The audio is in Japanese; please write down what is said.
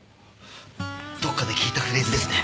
どっかで聞いたフレーズですね。